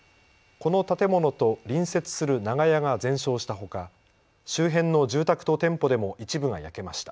この建物と隣接する長屋が全焼したほか、周辺の住宅と店舗でも一部が焼けました。